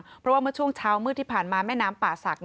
เพราะว่าเมื่อช่วงเช้ามืดที่ผ่านมาแม่น้ำป่าศักดิ